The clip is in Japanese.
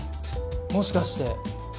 もしかしてもう？